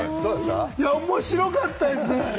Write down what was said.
面白かったです。